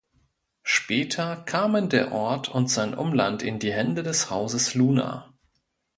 Später kamen der Ort und sein Umland in die Hände des Hauses Luna.